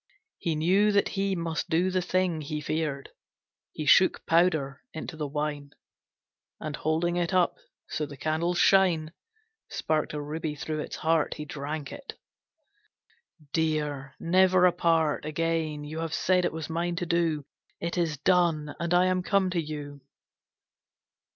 He knew that he must do the thing He feared. He shook powder into the wine, And holding it up so the candle's shine Sparked a ruby through its heart, He drank it. "Dear, never apart Again! You have said it was mine to do. It is done, and I am come to you!"